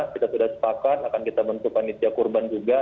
kita sudah sepakat akan kita bentuk panitia kurban juga